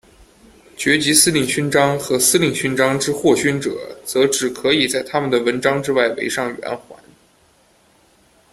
爵级司令勋章和司令勋章之获勋者则只可以在他们的纹章之外围上圆环。